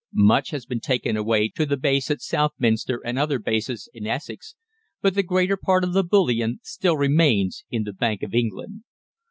Much has been taken away to the base at Southminster and other bases in Essex, but the greater part of the bullion still remains in the Bank of England.